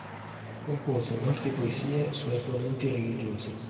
Compose molte poesie su argomenti religiosi.